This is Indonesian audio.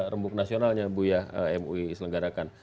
rembuk nasionalnya buya mui selenggarakan